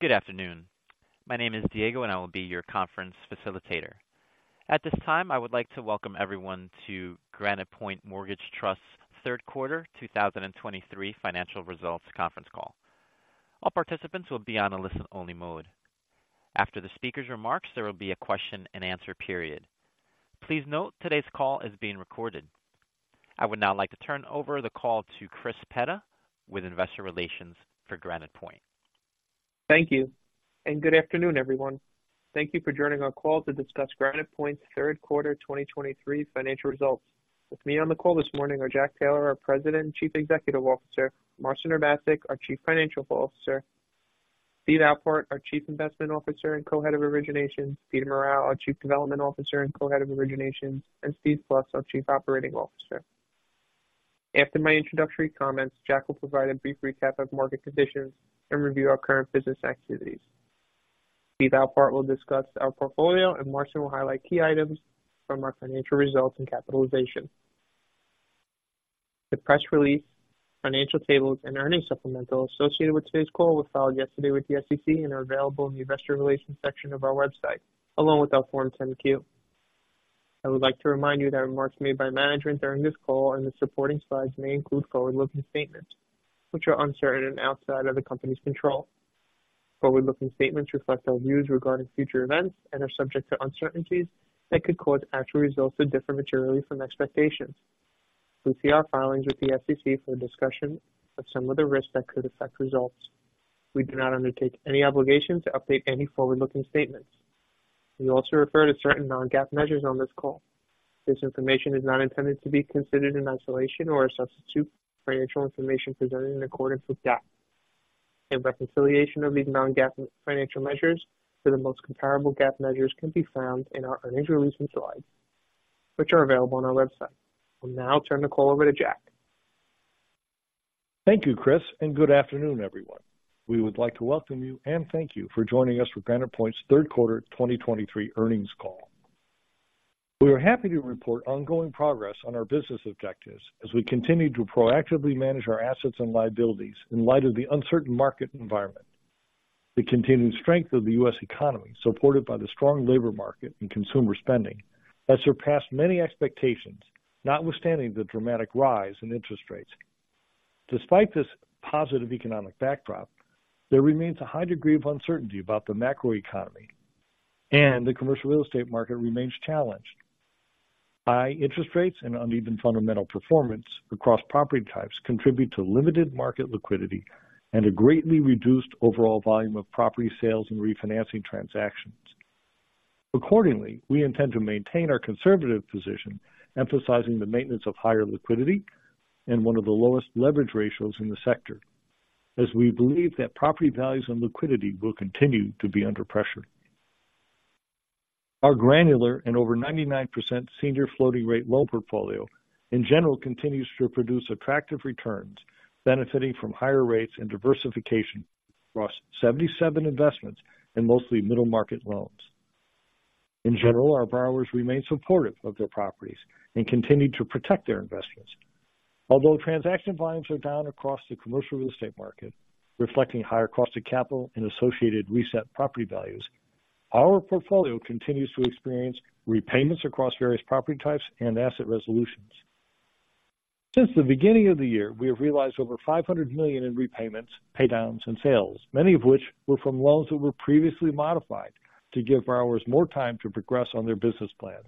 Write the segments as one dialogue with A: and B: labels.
A: Good afternoon. My name is Diego, and I will be your conference facilitator. At this time, I would like to welcome everyone to Granite Point Mortgage Trust's third quarter 2023 financial results conference call. All participants will be on a listen-only mode. After the speaker's remarks, there will be a question-and-answer period. Please note today's call is being recorded. I would now like to turn over the call to Chris Petta with Investor Relations for Granite Point.
B: Thank you, and good afternoon, everyone. Thank you for joining our call to discuss Granite Point's third quarter 2023 financial results. With me on the call this morning are Jack Taylor, our President and Chief Executive Officer, Marcin Urbaszek, our Chief Financial Officer, Steve Alpart, our Chief Investment Officer and Co-Head of Originations, Peter Morral, our Chief Development Officer and Co-Head of Originations, and Steve Alpart, our Chief Operating Officer. After my introductory comments, Jack will provide a brief recap of market conditions and review our current business activities. Steve Alpart will discuss our portfolio, and Marcin will highlight key items from our financial results and capitalization. The press release, financial tables and earnings supplemental associated with today's call were filed yesterday with the SEC and are available in the Investor Relations section of our website, along with our Form 10-Q. I would like to remind you that remarks made by management during this call and the supporting slides may include forward-looking statements which are uncertain and outside of the company's control. Forward-looking statements reflect our views regarding future events and are subject to uncertainties that could cause actual results to differ materially from expectations. Please see our filings with the SEC for a discussion of some of the risks that could affect results. We do not undertake any obligation to update any forward-looking statements. We also refer to certain non-GAAP measures on this call. This information is not intended to be considered in isolation or a substitute for financial information presented in accordance with GAAP. A reconciliation of these non-GAAP financial measures to the most comparable GAAP measures can be found in our earnings release and slides, which are available on our website. I will now turn the call over to Jack.
C: Thank you, Chris, and good afternoon, everyone. We would like to welcome you and thank you for joining us for Granite Point's Third Quarter 2023 Earnings Call. We are happy to report ongoing progress on our business objectives as we continue to proactively manage our assets and liabilities in light of the uncertain market environment. The continuing strength of the U.S. economy, supported by the strong labor market and consumer spending, has surpassed many expectations, notwithstanding the dramatic rise in interest rates. Despite this positive economic backdrop, there remains a high degree of uncertainty about the macroeconomy, and the commercial real estate market remains challenged. High interest rates and uneven fundamental performance across property types contribute to limited market liquidity and a greatly reduced overall volume of property sales and refinancing transactions. Accordingly, we intend to maintain our conservative position, emphasizing the maintenance of higher liquidity and one of the lowest leverage ratios in the sector, as we believe that property values and liquidity will continue to be under pressure. Our granular and over 99% senior floating rate loan portfolio in general continues to produce attractive returns, benefiting from higher rates and diversification across 77 investments in mostly middle market loans. In general, our borrowers remain supportive of their properties and continue to protect their investments. Although transaction volumes are down across the commercial real estate market, reflecting higher cost of capital and associated reset property values, our portfolio continues to experience repayments across various property types and asset resolutions. Since the beginning of the year, we have realized over $500 million in repayments, paydowns and sales, many of which were from loans that were previously modified to give borrowers more time to progress on their business plans.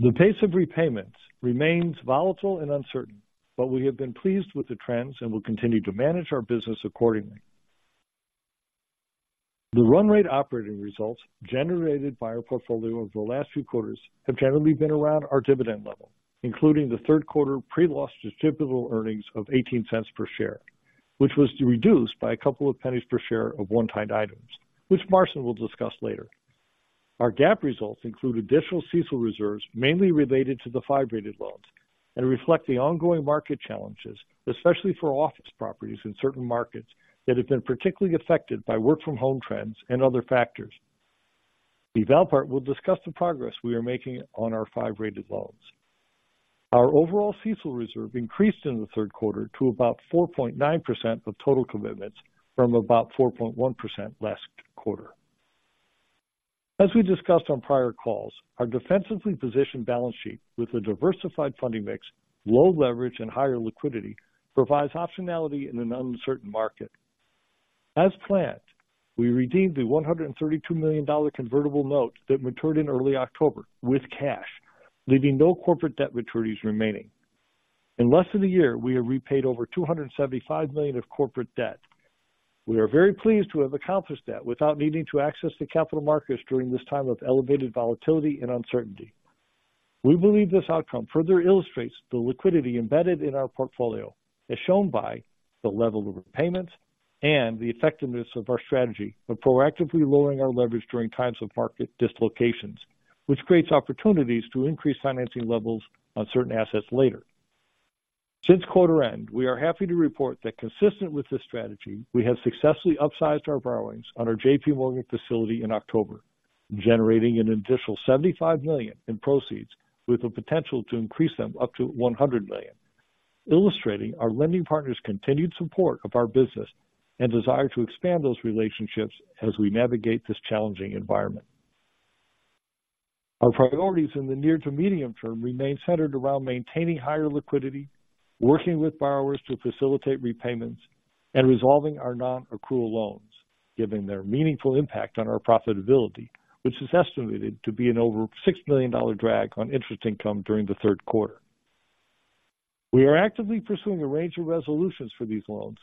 C: The pace of repayments remains volatile and uncertain, but we have been pleased with the trends and will continue to manage our business accordingly. The run rate operating results generated by our portfolio over the last few quarters have generally been around our dividend level, including the third quarter pre-loss distributable earnings of $0.18 per share, which was reduced by a couple of pennies per share of one-time items, which Marcin will discuss later. Our GAAP results include additional CECL reserves, mainly related to the 5-rated loans, and reflect the ongoing market challenges, especially for office properties in certain markets that have been particularly affected by work from home trends and other factors. Steve Alpart will discuss the progress we are making on our 5-rated loans. Our overall CECL reserve increased in the third quarter to about 4.9% of total commitments from about 4.1% last quarter. As we discussed on prior calls, our defensively positioned balance sheet with a diversified funding mix, low leverage and higher liquidity provides optionality in an uncertain market. As planned, we redeemed the $132 million convertible note that matured in early October with cash, leaving no corporate debt maturities remaining. In less than a year, we have repaid over $275 million of corporate debt. We are very pleased to have accomplished that without needing to access the capital markets during this time of elevated volatility and uncertainty. We believe this outcome further illustrates the liquidity embedded in our portfolio, as shown by the level of repayments and the effectiveness of our strategy of proactively lowering our leverage during times of market dislocations, which creates opportunities to increase financing levels on certain assets later. Since quarter end, we are happy to report that, consistent with this strategy, we have successfully upsized our borrowings on our JPMorgan facility in October, generating an additional $75 million in proceeds, with the potential to increase them up to $100 million.... illustrating our lending partners' continued support of our business and desire to expand those relationships as we navigate this challenging environment. Our priorities in the near to medium term remain centered around maintaining higher liquidity, working with borrowers to facilitate repayments, and resolving our non-accrual loans, given their meaningful impact on our profitability, which is estimated to be an over $60 million drag on interest income during the third quarter. We are actively pursuing a range of resolutions for these loans,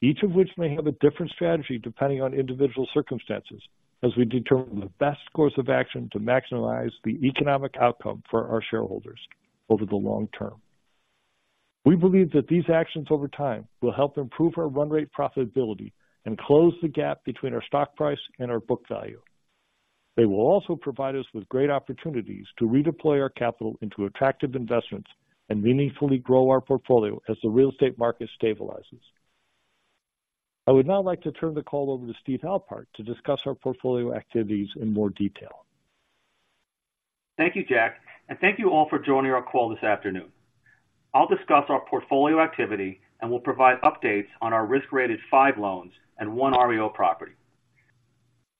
C: each of which may have a different strategy depending on individual circumstances, as we determine the best course of action to maximize the economic outcome for our shareholders over the long term. We believe that these actions over time will help improve our run rate profitability and close the gap between our stock price and our book value. They will also provide us with great opportunities to redeploy our capital into attractive investments and meaningfully grow our portfolio as the real estate market stabilizes. I would now like to turn the call over to Steve Alpart to discuss our portfolio activities in more detail.
D: Thank you, Jack, and thank you all for joining our call this afternoon. I'll discuss our portfolio activity, and we'll provide updates on our risk-rated five loans and one REO property.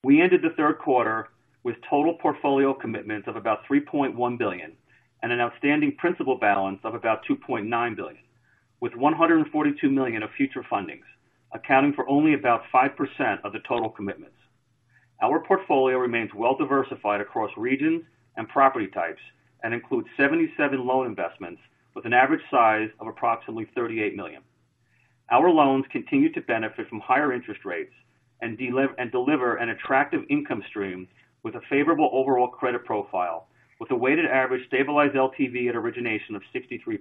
D: We ended the third quarter with total portfolio commitments of about $3.1 billion and an outstanding principal balance of about $2.9 billion, with $142 million of future fundings, accounting for only about 5% of the total commitments. Our portfolio remains well diversified across regions and property types and includes 77 loan investments with an average size of approximately $38 million. Our loans continue to benefit from higher interest rates and deliver an attractive income stream with a favorable overall credit profile, with a weighted average stabilized LTV at origination of 63%.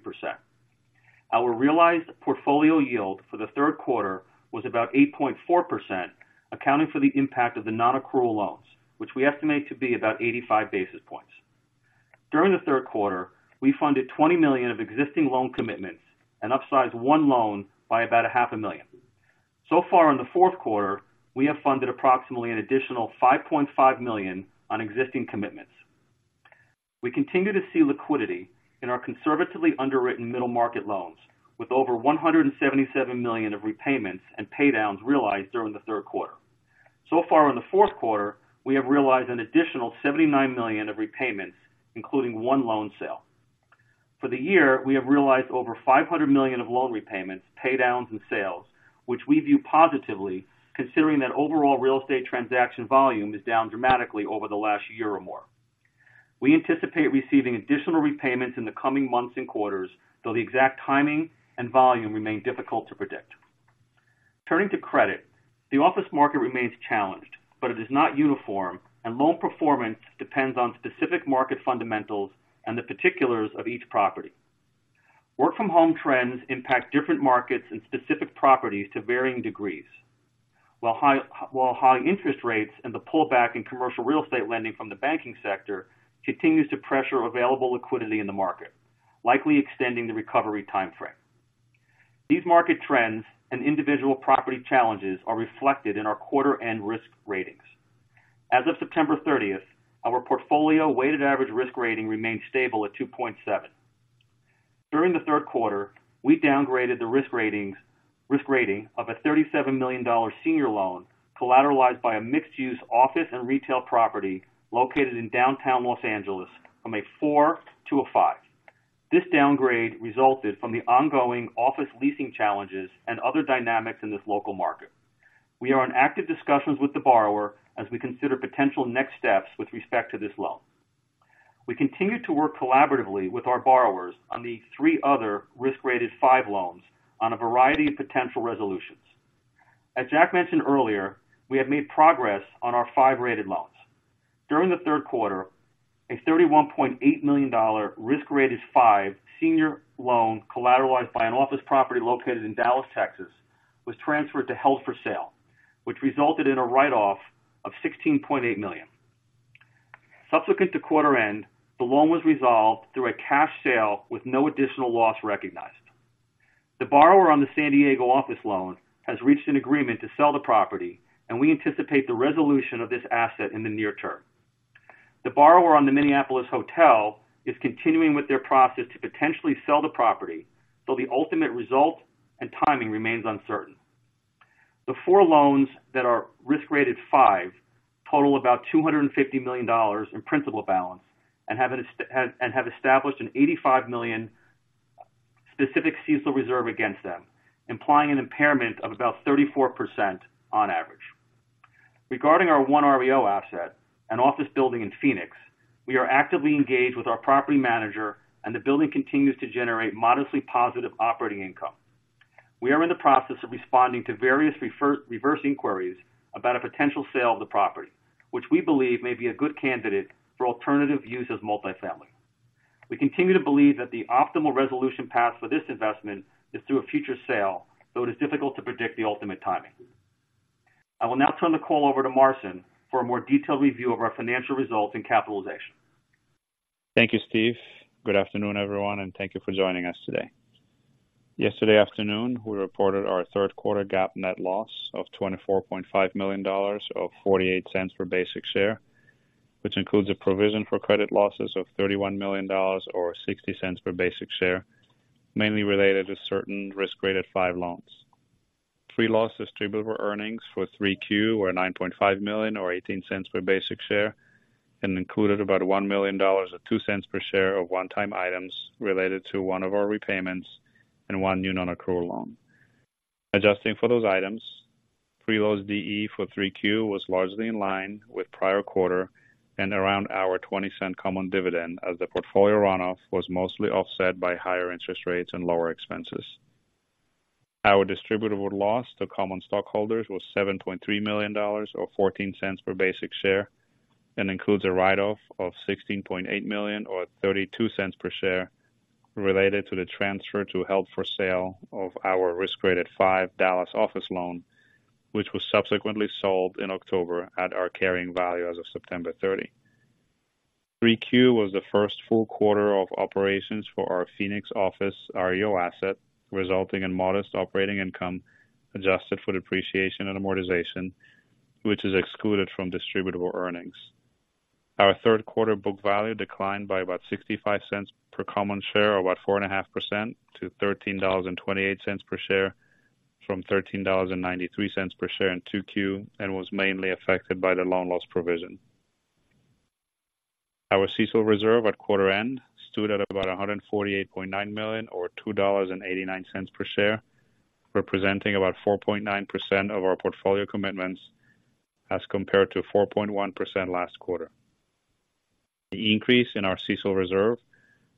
D: Our realized portfolio yield for the third quarter was about 8.4%, accounting for the impact of the nonaccrual loans, which we estimate to be about 85 basis points. During the third quarter, we funded $20 million of existing loan commitments and upsized one loan by about $500,000. So far in the fourth quarter, we have funded approximately an additional $5.5 million on existing commitments. We continue to see liquidity in our conservatively underwritten middle market loans, with over $177 million of repayments and paydowns realized during the third quarter. So far in the fourth quarter, we have realized an additional $79 million of repayments, including one loan sale. For the year, we have realized over $500 million of loan repayments, paydowns and sales, which we view positively, considering that overall real estate transaction volume is down dramatically over the last year or more. We anticipate receiving additional repayments in the coming months and quarters, though the exact timing and volume remain difficult to predict. Turning to credit, the office market remains challenged, but it is not uniform, and loan performance depends on specific market fundamentals and the particulars of each property. Work from home trends impact different markets and specific properties to varying degrees, while high interest rates and the pullback in commercial real estate lending from the banking sector continues to pressure available liquidity in the market, likely extending the recovery timeframe. These market trends and individual property challenges are reflected in our quarter-end risk ratings. As of September 30, our portfolio weighted average risk rating remained stable at 2.7. During the third quarter, we downgraded the risk rating of a $37 million senior loan collateralized by a mixed-use office and retail property located in downtown Los Angeles from a 4 to a 5. This downgrade resulted from the ongoing office leasing challenges and other dynamics in this local market. We are in active discussions with the borrower as we consider potential next steps with respect to this loan. We continue to work collaboratively with our borrowers on the three other risk-rated 5 loans on a variety of potential resolutions. As Jack mentioned earlier, we have made progress on our 5-rated loans. During the third quarter, a $31.8 million risk-rated five senior loan, collateralized by an office property located in Dallas, Texas, was transferred to held for sale, which resulted in a write-off of $16.8 million. Subsequent to quarter end, the loan was resolved through a cash sale with no additional loss recognized. The borrower on the San Diego office loan has reached an agreement to sell the property, and we anticipate the resolution of this asset in the near term. The borrower on the Minneapolis hotel is continuing with their process to potentially sell the property, though the ultimate result and timing remains uncertain. The four loans that are risk-rated five total about $250 million in principal balance and have and have established an $85 million specific CECL reserve against them, implying an impairment of about 34% on average. Regarding our 1 REO asset, an office building in Phoenix, we are actively engaged with our property manager, and the building continues to generate modestly positive operating income. We are in the process of responding to various referral inquiries about a potential sale of the property, which we believe may be a good candidate for alternative use as multifamily. We continue to believe that the optimal resolution path for this investment is through a future sale, though it is difficult to predict the ultimate timing. I will now turn the call over to Marcin for a more detailed review of our financial results and capitalization.
E: Thank you, Steve. Good afternoon, everyone, and thank you for joining us today. Yesterday afternoon, we reported our third quarter GAAP net loss of $24.5 million, of $0.48 per basic share.... which includes a provision for credit losses of $31 million or $0.60 per basic share, mainly related to certain risk-rated 5 loans. Pre-loss distributable earnings for 3Q were $9.5 million or $0.18 per basic share, and included about $1 million or $0.02 per share of one-time items related to one of our repayments and one new nonaccrual loan. Adjusting for those items, pre-loss DE for 3Q was largely in line with prior quarter and around our 20-cent common dividend, as the portfolio runoff was mostly offset by higher interest rates and lower expenses. Our distributable loss to common stockholders was $7.3 million or $0.14 per basic share, and includes a write-off of $16.8 million or $0.32 per share, related to the transfer to held for sale of our risk-rated five Dallas office loan, which was subsequently sold in October at our carrying value as of September 30. 3Q was the first full quarter of operations for our Phoenix office REO asset, resulting in modest operating income adjusted for depreciation and amortization, which is excluded from distributable earnings. Our third quarter book value declined by about $0.65 per common share, or about 4.5% to $13.28 per share, from $13.93 per share in 2Q, and was mainly affected by the loan loss provision. Our CECL reserve at quarter end stood at about $148.9 million, or $2.89 per share, representing about 4.9% of our portfolio commitments as compared to 4.1% last quarter. The increase in our CECL reserve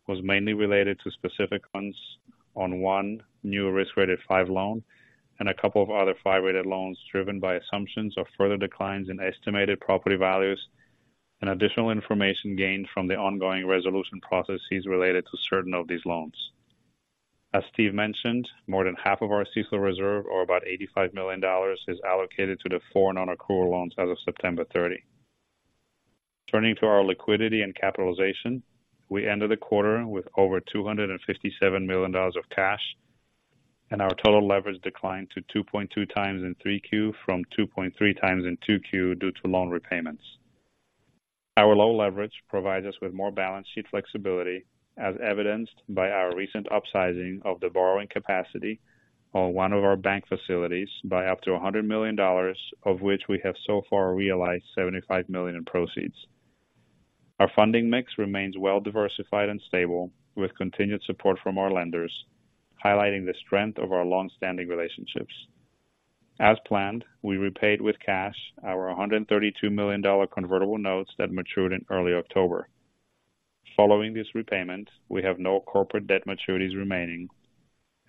E: was mainly related to specific funds on one new risk-rated 5 loan and a couple of other 5-rated loans, driven by assumptions of further declines in estimated property values and additional information gained from the ongoing resolution processes related to certain of these loans. As Steve mentioned, more than half of our CECL reserve, or about $85 million, is allocated to the four nonaccrual loans as of September 30. Turning to our liquidity and capitalization, we ended the quarter with over $257 million of cash, and our total leverage declined to 2.2x in 3Q from 2.3x in 2Q due to loan repayments. Our low leverage provides us with more balance sheet flexibility, as evidenced by our recent upsizing of the borrowing capacity on one of our bank facilities by up to $100 million, of which we have so far realized $75 million in proceeds. Our funding mix remains well diversified and stable, with continued support from our lenders, highlighting the strength of our long-standing relationships. As planned, we repaid with cash our $132 million convertible notes that matured in early October. Following this repayment, we have no corporate debt maturities remaining,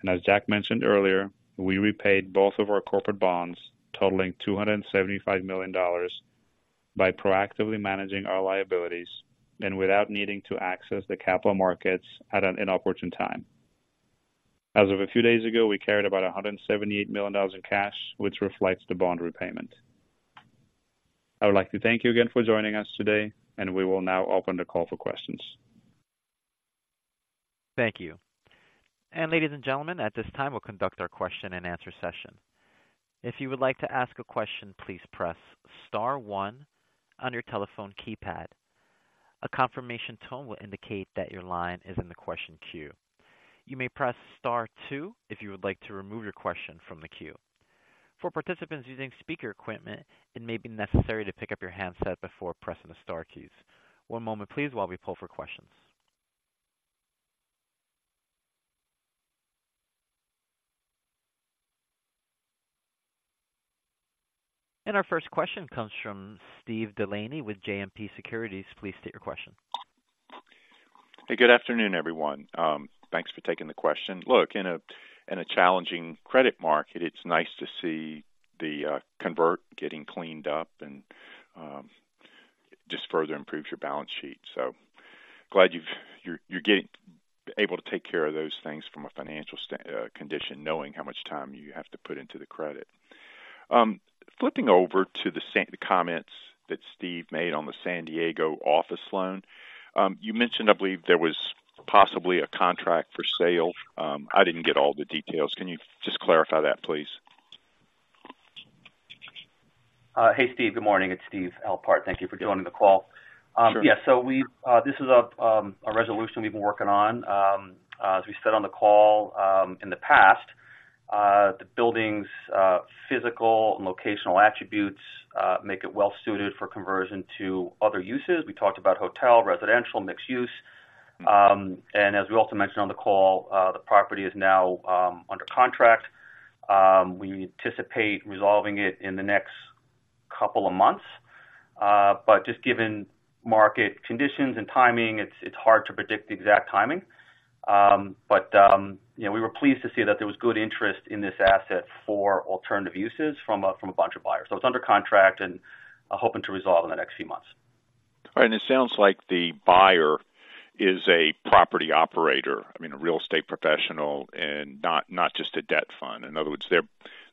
E: and as Jack mentioned earlier, we repaid both of our corporate bonds, totaling $275 million, by proactively managing our liabilities and without needing to access the capital markets at an inopportune time. As of a few days ago, we carried about $178 million in cash, which reflects the bond repayment. I would like to thank you again for joining us today, and we will now open the call for questions.
A: Thank you. Ladies and gentlemen, at this time, we'll conduct our question and answer session. If you would like to ask a question, please press star one on your telephone keypad. A confirmation tone will indicate that your line is in the question queue. You may press star two if you would like to remove your question from the queue. For participants using speaker equipment, it may be necessary to pick up your handset before pressing the star keys. One moment please, while we pull for questions. Our first question comes from Steve DeLaney with JMP Securities. Please state your question.
F: Hey, good afternoon, everyone. Thanks for taking the question. Look, in a challenging credit market, it's nice to see the convert getting cleaned up and just further improves your balance sheet. So glad you're getting able to take care of those things from a financial condition, knowing how much time you have to put into the credit. Flipping over to the comments that Steve made on the San Diego office loan. You mentioned, I believe there was possibly a contract for sale. I didn't get all the details. Can you just clarify that, please?
D: Hey, Steve, good morning. It's Steve Alpart. Thank you for joining the call.
F: Sure.
D: Yes, so this is a resolution we've been working on. As we said on the call, in the past, the building's physical and locational attributes make it well suited for conversion to other uses. We talked about hotel, residential, mixed use. And as we also mentioned on the call, the property is now under contract. We anticipate resolving it in the next couple of months. But just given market conditions and timing, it's hard to predict the exact timing. But you know, we were pleased to see that there was good interest in this asset for alternative uses from a bunch of buyers. So it's under contract and hoping to resolve in the next few months.
F: All right. And it sounds like the buyer is a property operator, I mean, a real estate professional and not, not just a debt fund. In other words, they're,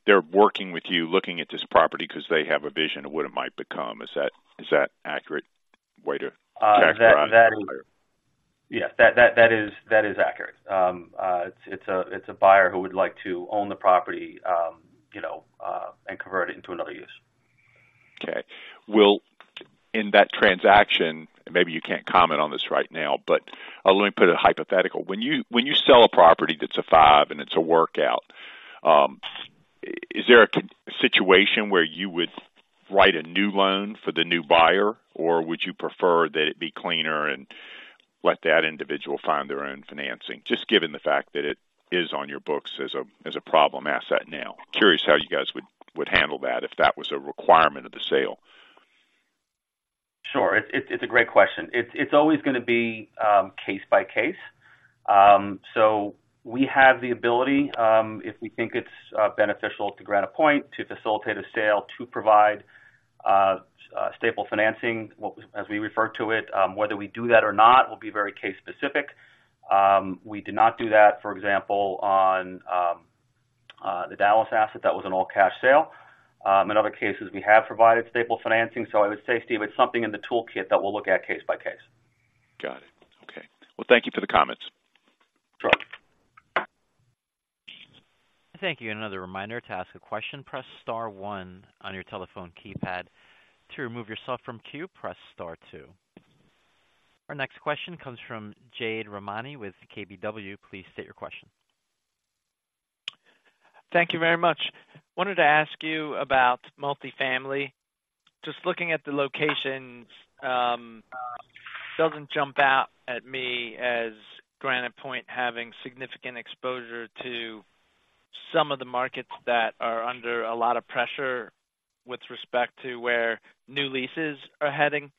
F: they're working with you, looking at this property because they have a vision of what it might become. Is that, is that accurate way to characterize the buyer?...
D: Yes, that is accurate. It's a buyer who would like to own the property, you know, and convert it into another use.
F: Okay. Well, in that transaction, maybe you can't comment on this right now, but let me put a hypothetical. When you sell a property that's a five and it's a workout, is there a situation where you would write a new loan for the new buyer? Or would you prefer that it be cleaner and let that individual find their own financing? Just given the fact that it is on your books as a problem asset now. Curious how you guys would handle that if that was a requirement of the sale.
D: Sure. It's a great question. It's always going to be case by case. So we have the ability, if we think it's beneficial to Granite Point, to facilitate a sale, to provide staple financing, what, as we refer to it, whether we do that or not, will be very case specific. We did not do that, for example, on the Dallas asset. That was an all-cash sale. In other cases, we have provided staple financing, so I would say, Steve, it's something in the toolkit that we'll look at case by case.
F: Got it. Okay. Well, thank you for the comments.
D: Sure.
A: Thank you. Another reminder to ask a question, press star one on your telephone keypad. To remove yourself from queue, press star two. Our next question comes from Jade Rahmani with KBW. Please state your question.
G: Thank you very much. Wanted to ask you about multifamily. Just looking at the locations, doesn't jump out at me as Granite Point having significant exposure to some of the markets that are under a lot of pressure with respect to where new leases are heading.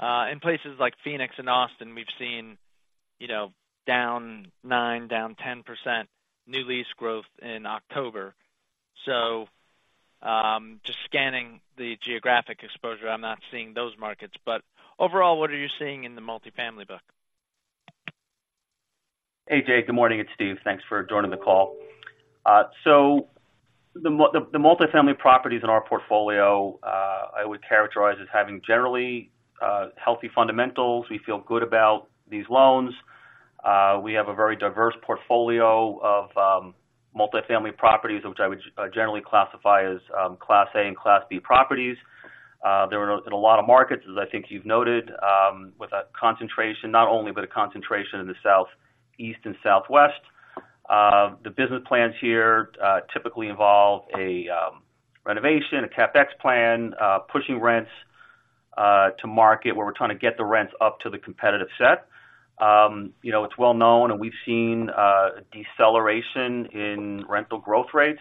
G: In places like Phoenix and Austin, we've seen, you know, down 9%, down 10% new lease growth in October. So, just scanning the geographic exposure, I'm not seeing those markets. But overall, what are you seeing in the multifamily book?
D: Hey, Jade, good morning. It's Steve. Thanks for joining the call. So the multifamily properties in our portfolio, I would characterize as having generally healthy fundamentals. We feel good about these loans. We have a very diverse portfolio of multifamily properties, which I would generally classify as Class A and Class B properties. There are in a lot of markets, as I think you've noted, with a concentration, not only, but a concentration in the Southeast and Southwest. The business plans here typically involve a renovation, a CapEx plan, pushing rents to market, where we're trying to get the rents up to the competitive set. You know, it's well known, and we've seen a deceleration in rental growth rates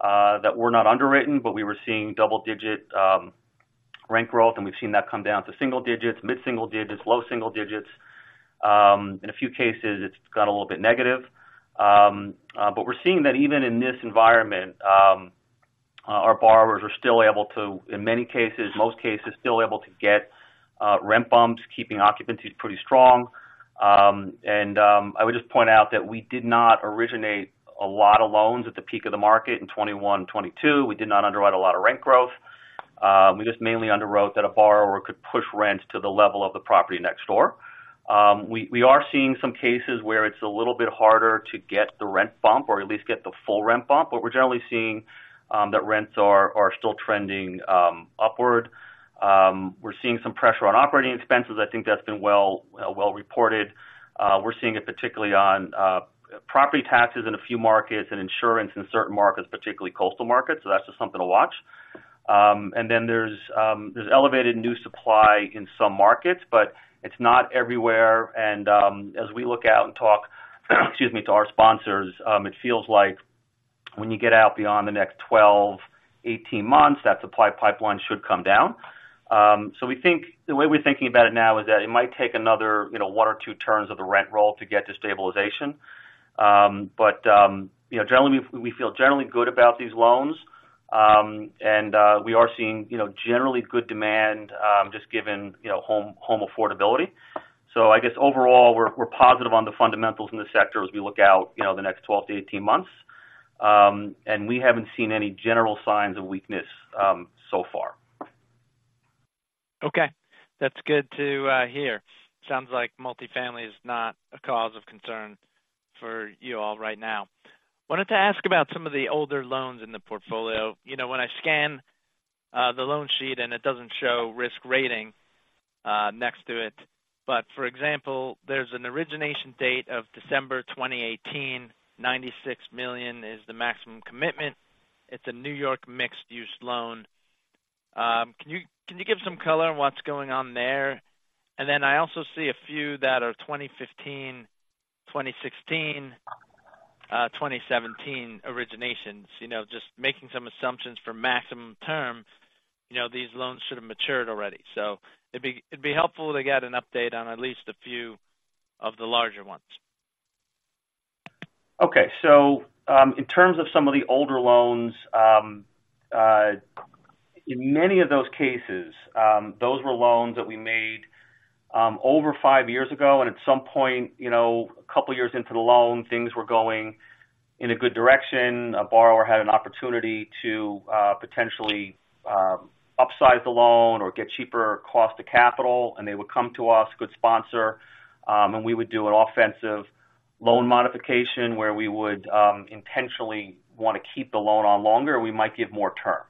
D: that were not underwritten, but we were seeing double-digit rent growth, and we've seen that come down to single digits, mid single digits, low single digits. In a few cases, it's gone a little bit negative. But we're seeing that even in this environment, our borrowers are still able to, in many cases, most cases, still able to get rent bumps, keeping occupancy pretty strong. I would just point out that we did not originate a lot of loans at the peak of the market in 2021, 2022. We did not underwrite a lot of rent growth. We just mainly underwrote that a borrower could push rents to the level of the property next door. We are seeing some cases where it's a little bit harder to get the rent bump or at least get the full rent bump, but we're generally seeing that rents are still trending upward. We're seeing some pressure on operating expenses. I think that's been well reported. We're seeing it particularly on property taxes in a few markets and insurance in certain markets, particularly coastal markets. So that's just something to watch. And then there's elevated new supply in some markets, but it's not everywhere. And as we look out and talk, excuse me, to our sponsors, it feels like when you get out beyond the next 12, 18 months, that supply pipeline should come down. So we think the way we're thinking about it now is that it might take another, you know, one or two turns of the rent roll to get to stabilization. But you know, generally, we feel generally good about these loans. And we are seeing, you know, generally good demand, just given, you know, home affordability. So I guess overall, we're positive on the fundamentals in the sector as we look out, you know, the next 12-18 months. And we haven't seen any general signs of weakness so far.
G: Okay, that's good to hear. Sounds like multifamily is not a cause of concern for you all right now. Wanted to ask about some of the older loans in the portfolio. You know, when I scan the loan sheet and it doesn't show risk rating next to it, but for example, there's an origination date of December 2018, $96 million is the maximum commitment. It's a New York mixed-use loan. Can you give some color on what's going on there? And then I also see a few that are 2015, 2016, 2017 originations. You know, just making some assumptions for maximum term, you know, these loans should have matured already. So it'd be helpful to get an update on at least a few of the larger ones.
D: Okay. So, in terms of some of the older loans, in many of those cases, those were loans that we made over five years ago, and at some point, you know, a couple of years into the loan, things were going in a good direction, a borrower had an opportunity to potentially upsize the loan or get cheaper cost to capital, and they would come to us, good sponsor, and we would do an offensive loan modification, where we would intentionally want to keep the loan on longer, or we might give more term.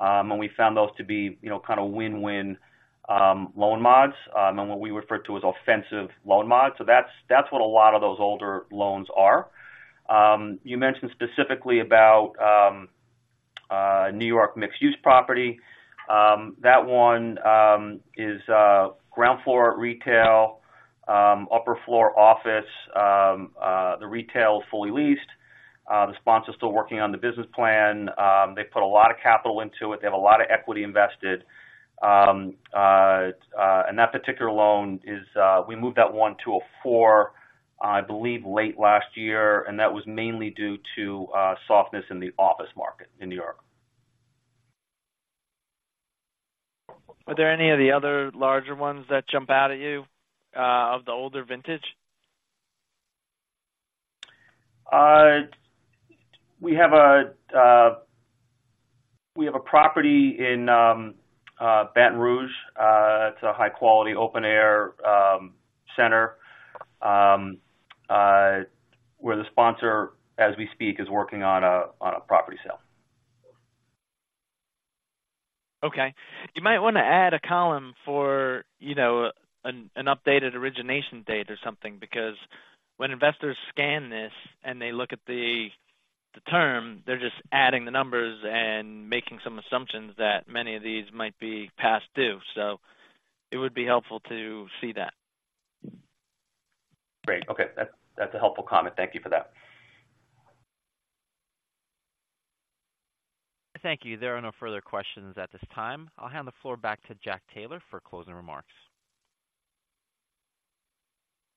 D: And we found those to be, you know, kind of win-win loan mods, and what we refer to as offensive loan mods. So that's what a lot of those older loans are. You mentioned specifically about New York mixed-use property. That one is ground floor retail, upper floor office. The retail is fully leased. The sponsor is still working on the business plan. They've put a lot of capital into it. They have a lot of equity invested. And that particular loan is, we moved that one to a four, I believe, late last year, and that was mainly due to softness in the office market in New York.
G: Are there any of the other larger ones that jump out at you, of the older vintage?
D: We have a property in Baton Rouge. It's a high-quality, open-air center where the sponsor, as we speak, is working on a property sale.
G: Okay. You might want to add a column for, you know, an updated origination date or something, because when investors scan this and they look at the term, they're just adding the numbers and making some assumptions that many of these might be past due. So it would be helpful to see that.
D: Great. Okay. That's, that's a helpful comment. Thank you for that.
A: Thank you. There are no further questions at this time. I'll hand the floor back to Jack Taylor for closing remarks.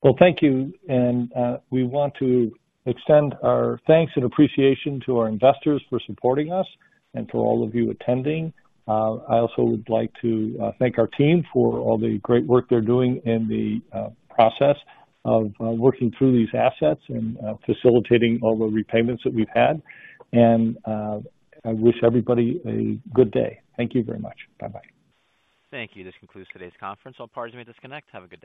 C: Well, thank you, and we want to extend our thanks and appreciation to our investors for supporting us and to all of you attending. I also would like to thank our team for all the great work they're doing in the process of working through these assets and facilitating all the repayments that we've had. And I wish everybody a good day. Thank you very much. Bye-bye.
A: Thank you. This concludes today's conference. All parties may disconnect. Have a good day.